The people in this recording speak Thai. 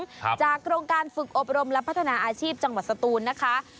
ครับจากโครงการฝึกอบรมและพัฒนาอาชีพจังหวัดสตูนนะคะ